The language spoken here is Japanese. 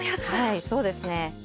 はいそうですね。